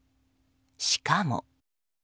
しかも。